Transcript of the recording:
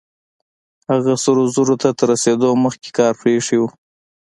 هغه سرو زرو ته تر رسېدو مخکې کار پرېښی و.